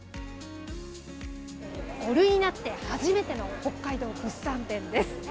５類になって初めての北海道物産展です。